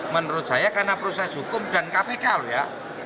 menurut saya karena proses hukum dan kpk loh ya